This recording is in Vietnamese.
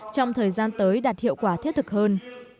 trong thời gian tới đạt hiệu quả thiết thực hơn